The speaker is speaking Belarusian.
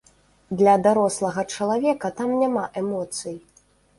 Для дарослага чалавека там няма эмоцый.